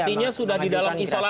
artinya sudah di dalam isolasi